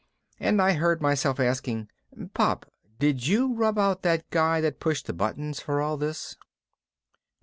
and I heard myself asking, "Pop, did you rub out that guy that pushed the buttons for all this?"